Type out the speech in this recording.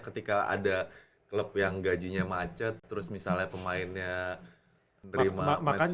ketika ada klub yang gajinya macet terus misalnya pemainnya nerima matching